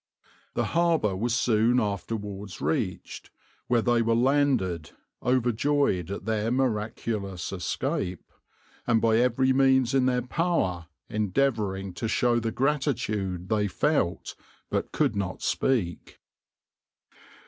The harbour was soon afterwards reached, where they were landed overjoyed at their miraculous escape, and by every means in their power endeavouring to show the gratitude they felt but could not speak.